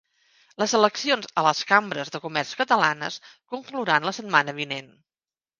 Les eleccions a les cambres de comerç catalanes conclouran la setmana vinent